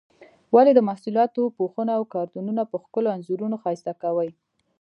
ولې د محصولاتو پوښونه او کارتنونه په ښکلو انځورونو ښایسته کوي؟